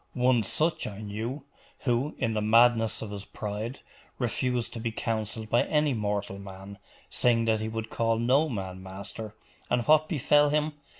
One such I knew, who, in the madness? of his pride, refused to be counselled by any mortal man saying that he would call no man master: and what befell him?